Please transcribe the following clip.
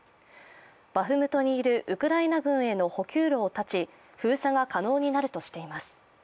バフムトにいるウクライナ軍への補給路を断ち封鎖が可能になるとしています。